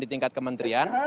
di tingkat kementrian